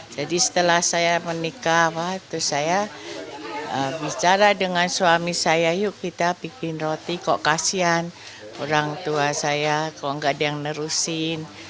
jadi setelah saya menikah waktu saya bicara dengan suami saya yuk kita bikin roti kok kasian orang tua saya kok tidak ada yang meneruskan